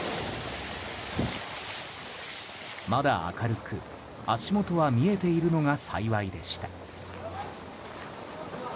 まだ明るく足元は見えているのが幸いでした。